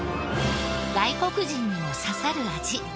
外国人にも刺さる味。